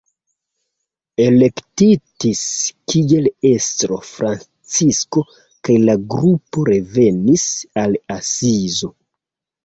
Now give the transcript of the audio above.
Elektitis kiel estro Francisko kaj la grupo revenis al Asizo.